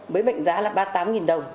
với mệnh giá là ba mươi tám đồng